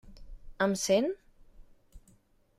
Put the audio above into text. Em sent?